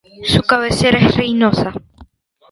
Su cabecera es Reynosa.